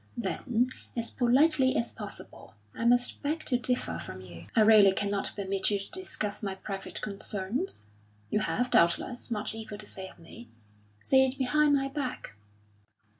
"Then, as politely as possible, I must beg to differ from you. I really cannot permit you to discuss my private concerns. You have, doubtless, much evil to say of me; say it behind my back."